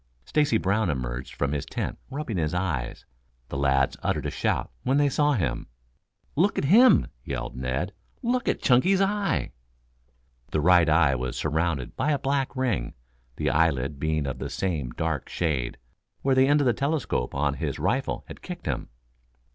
Stacy Brown emerged from his tent rubbing his eyes. The lads uttered a shout when they saw him. "Look at him!" yelled Ned. "Look at Chunky's eye!" The right eye was surrounded by a black ring, the eyelid being of the same dark shade, where the end of the telescope on his rifle had kicked him.